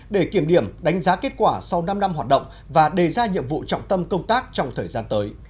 để kiểm điểm đánh giá kết quả sau năm năm hoạt động và đề ra nhiệm vụ trọng tâm công tác trong thời gian tới